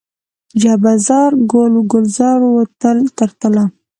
جبه زار، ګل و ګلزار و تل تر تله